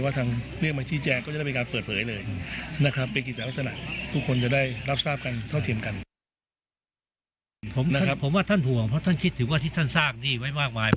ถ้าเชื่อว่าทางเรียกมาชี้แจงก็จะได้ทำเป็นการเฟิร์ตเผย